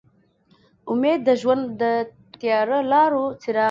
امید د ژوند د تیاره لارو څراغ دی.